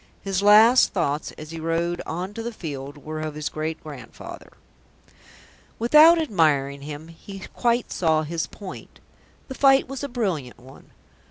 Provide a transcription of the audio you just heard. His last thoughts as he rode on to the field were of his great grandfather. Without admiring him, he quite saw his point. The fight was a brilliant one.